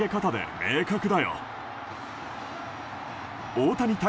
大谷対